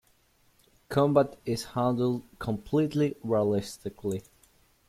Combat is handled completely realistically.